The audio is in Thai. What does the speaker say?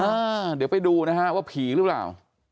เดี๋ยวไปดูนะฮะว่าผีหรือเปล่า